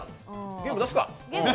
ゲーム、出すか？